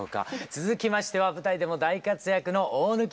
続きましては舞台でも大活躍の大貫勇輔さんです。